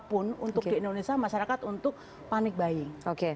apapun untuk di indonesia masyarakat untuk panic buying